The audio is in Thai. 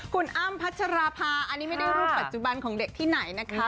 คุณอ้ามพัจจรภาอันนี้ไม่ได้รูปใบเบ้นของเด็กที่ไหนนะคะ